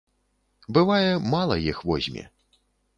Бывае, мала іх возьме.